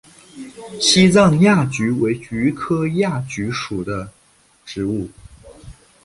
西藏亚菊为菊科亚菊属的植物。